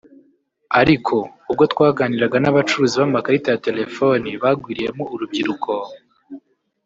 Ariko ubwo twaganiraga n’abacuruzi b’amakarita ya telefoni bagwiriyemo urubyiruko